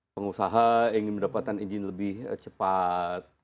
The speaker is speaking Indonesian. pengusaha ingin mendapatkan izin lebih cepat